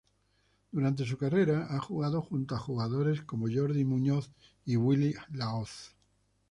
Durante su carrera ha jugado junto a jugadores como Jordi Muñoz o Willy Lahoz.